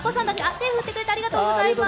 手を振ってくれてありがとうございます。